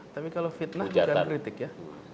tapi kalau fitnah bukan kritik ya